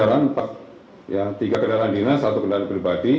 kerusakan ini untuk kendaraan ya tiga kendaraan dinas satu kendaraan pribadi